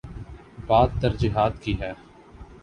بات ترجیحات کی ہے۔